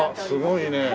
すごいね。